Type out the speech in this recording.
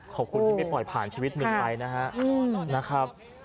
ขอบคุณที่ไม่ปล่อยผ่านชีวิตหนึ่งไปนะครับ